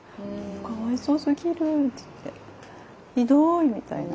「かわいそうすぎる」って言って「ひどい」みたいな。